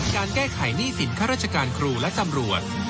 การแก้ไขหนี้สินข้าราชการครูและตำรวจ